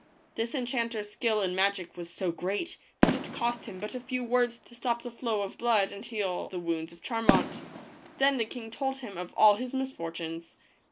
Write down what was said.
This enchanters skill in magic was so great that it cost him but a few words to stop the flow of blood and heal the wounds of Charmant. Then the king told him of all his misfortunes.